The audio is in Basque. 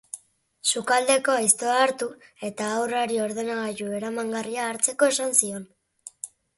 Sukaldeko aiztoa hartu eta haurrari ordenagailu eramangarria hartzeko esan zion.